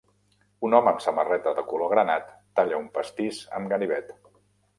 Un home amb samarreta de color granat talla un pastís amb ganivet.